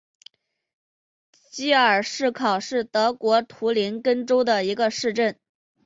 基尔施考是德国图林根州的一个市镇。